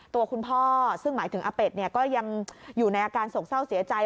ตัวคุณพ่อซึ่งหมายถึงอาเป็ดก็ยังอยู่ในอาการโศกเศร้าเสียใจ